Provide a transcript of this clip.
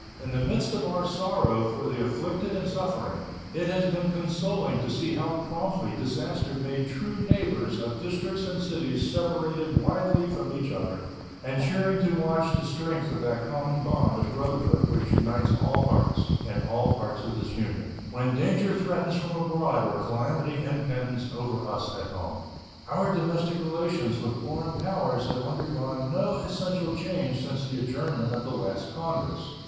In the midst of our sorrow for the afflicted and suffering, it has been consoling to see how promptly disaster made true neighbors of districts and cities separated widely from each other, and cheering to watch the strength of that common bond of brotherhood which unites all hearts, in all parts of this Union, when danger threatens from abroad or calamity impends over us at home. Our diplomatic relations with foreign powers have undergone no essential change since the adjournment of the last Congress.